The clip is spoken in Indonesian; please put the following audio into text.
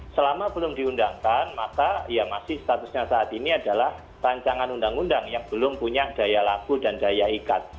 selama belum diundangkan maka ya masih statusnya saat ini adalah rancangan undang undang yang belum punya daya laku dan daya ikat